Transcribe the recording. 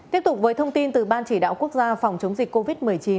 tiếp tục với thông tin từ ban chỉ đạo quốc gia phòng chống dịch covid một mươi chín